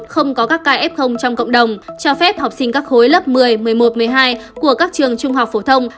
không có các ca f trong cộng đồng cho phép học sinh các khối lớp một mươi một mươi một một mươi hai của các trường trung học phổ thông